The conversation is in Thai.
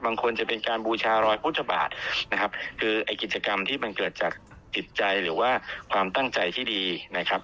บางคนจะเป็นการบูชารอยพุทธบาทนะครับคือไอ้กิจกรรมที่มันเกิดจากจิตใจหรือว่าความตั้งใจที่ดีนะครับ